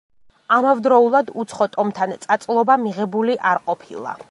ამავდროულად უცხო ტომთან წაწლობა მიღებული არ ყოფილა.